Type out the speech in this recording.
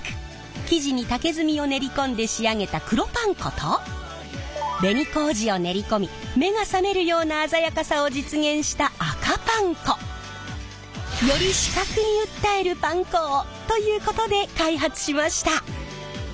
生地に竹炭を練り込んで仕上げた黒パン粉と紅麹を練り込み目が覚めるような鮮やかさを実現した赤パン粉！ということで開発しました。